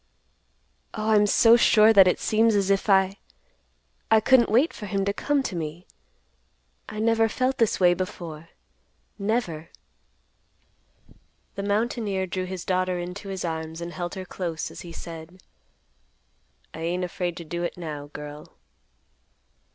"Oh, I'm so sure that it seems as if I—I couldn't wait for him to come to me. I never felt this way before, never." The mountaineer drew his daughter into his arms, and held her close, as he said, "I ain't afraid to do it, now, girl."